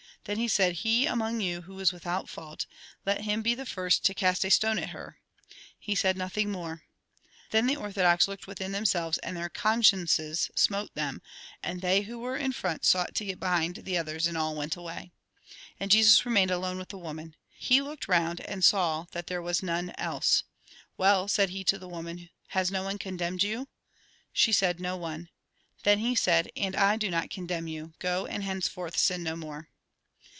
Then he said :" He among you who is without fault, let him be the first to cast a stone at her." He said nothing more. Then the orthodox looked within themselves, and their consciences smote them ; and they who were THE GOSPEL IN BRIEF in front sought to get behind the others, and all went away. And Jesus remained alone with the woman. He looked round, and saw that there was none else. " Well," said he to the woman, " has no one condemned you ?" She said :" No one." Then he said :" And I do not condemn you. Go, and henceforth sin no more."